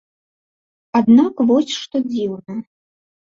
Аднак вось што дзіўна.